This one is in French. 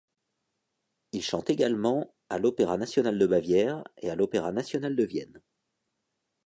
Il chante également à l'opéra national de Bavière et à l'opéra national de Vienne.